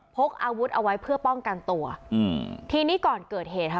พกอาวุธเอาไว้เพื่อป้องกันตัวอืมทีนี้ก่อนเกิดเหตุค่ะ